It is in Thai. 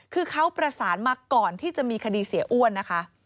คือเขาประสานมาก่อนที่จะมีคดีเสียอ้วนนะคะ